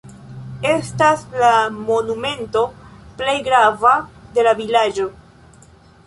Estas la monumento plej grava de la vilaĝo.